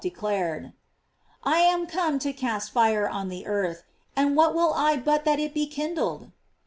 561 um come to cast fire on the earth, and what will I but that it be kindled?"